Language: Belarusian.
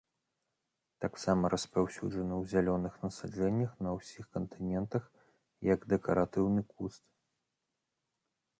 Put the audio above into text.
Таксама распаўсюджаны ў зялёных насаджэннях на ўсіх кантынентах як дэкаратыўны куст.